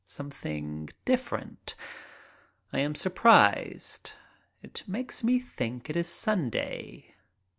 Something different. I am surprised. It makes me think it is Sunday.